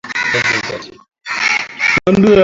Mkulima anapaswa kujua taarifa sahihi ya bidhaa zake